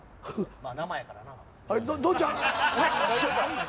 まあ生やからな。